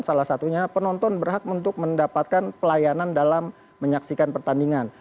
salah satunya penonton berhak untuk mendapatkan pelayanan dalam menyaksikan pertandingan